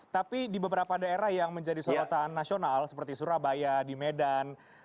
tapi di beberapa daerah yang menjadi sorotan nasional seperti surabaya di medan